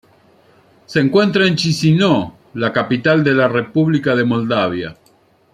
Se encuentra en Chisináu, la capital de la república de Moldavia.